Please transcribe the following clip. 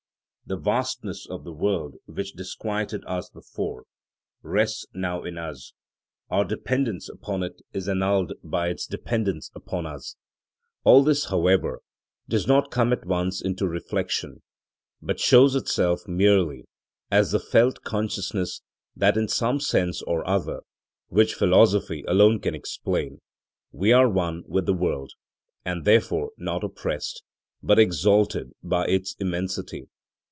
The vastness of the world which disquieted us before, rests now in us; our dependence upon it is annulled by its dependence upon us. All this, however, does not come at once into reflection, but shows itself merely as the felt consciousness that in some sense or other (which philosophy alone can explain) we are one with the world, and therefore not oppressed, but exalted by its immensity.